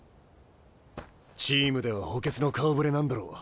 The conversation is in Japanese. チームでは補欠の顔ぶれなんだろう。